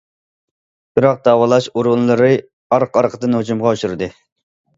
بىراق، داۋالاش ئورۇنلىرى ئارقا- ئارقىدىن ھۇجۇمغا ئۇچرىدى.